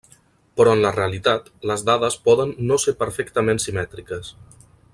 Però en la realitat, les dades poden no ser perfectament simètriques.